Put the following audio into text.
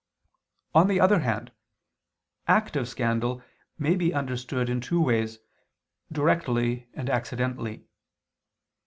On the other hand, active scandal may be understood in two ways, directly and accidentally.